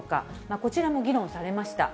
こちらも議論されました。